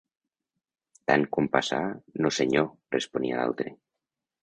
-Tant com passar, no senyor…- responia l'altre.